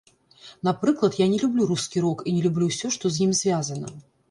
Напрыклад, я не люблю рускі рок і не люблю ўсё, што з ім звязана.